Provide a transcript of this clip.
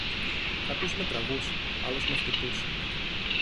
Κάποιος με τραβούσε, άλλος με χτυπούσε